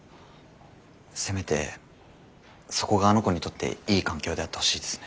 せめてそこがあの子にとっていい環境であってほしいですね。